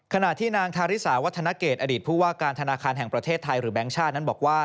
ขณะที่นางทาริสาวัฒนเกตอดีตผู้ว่าการธนาคารแห่งประเทศไทยหรือแบงค์ชาตินั้นบอกว่า